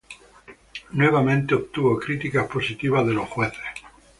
Nuevamente obtuvo críticas positivas de los jueces.